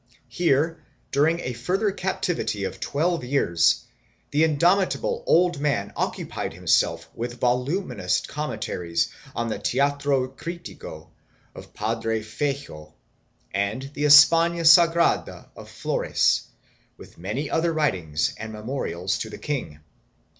Here, during a further captivity of twelve years, the indomitable old man occupied himself with voluminous commentaries on the Teatro critico of Padre Feyjoo and the Espana sagrada of Florez, with many other writings and memorials to the king.